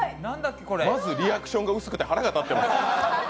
まずリアクションが薄くて腹が立ってます。